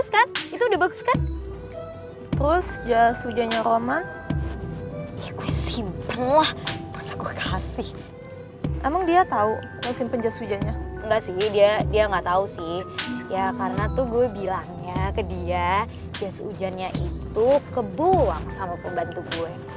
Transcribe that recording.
karena tuh gue bilangnya ke dia jas ujannya itu kebuang sama pembantu gue